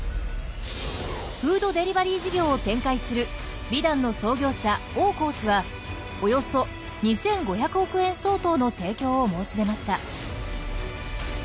フードデリバリー事業を展開する美団の創業者王興氏はおよそ２５００億円相当の提供を申し出ました。